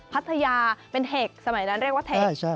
พัทยาเป็นเทคสมัยนั้นเรียกว่าเทค